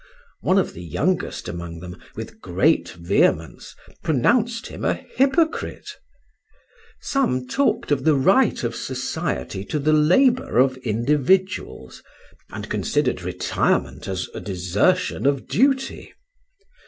One of the youngest among them, with great vehemence, pronounced him a hypocrite. Some talked of the right of society to the labour of individuals, and considered retirement as a desertion of duty.